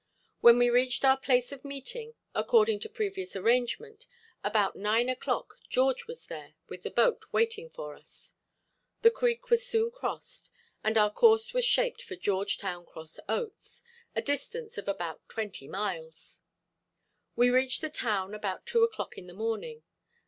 When we reached our place of meeting, according to previous arrangement, about nine o'clock George was there with the boat waiting for us. The creek was soon crossed and our course was shaped for George Town Cross Oats, a distance of about twenty miles. We reached the town about two o'clock in the morning.